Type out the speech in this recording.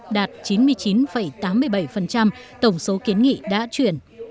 đạt chín mươi chín tám mươi bảy tổng số kiến nghị đã chuyển